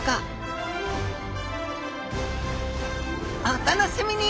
お楽しみに！